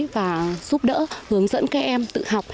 và giúp đỡ hướng dẫn các em tự học